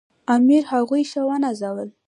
امیر هغوی ښه ونازول.